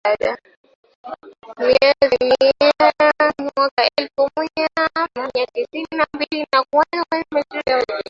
Mwezi Mei mwaka elfu moya mia tisa sitini na mbili kwa matangazo ya dakika thelathini ambayo yalikuwa yamerekodiwa kwenye ukanda